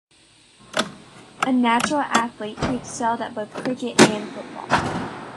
A natural athlete he excelled at both cricket and football.